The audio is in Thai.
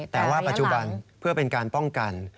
แต่ว่าปัจจุบันเพื่อเป็นการป้องกัน